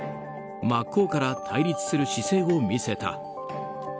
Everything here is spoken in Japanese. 真っ向から対立する姿勢を見せた。